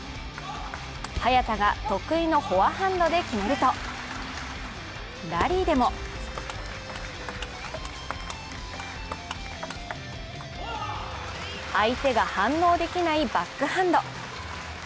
早田が得意のフォアハンドで決めるとラリーでも相手が反応できないバックハンド。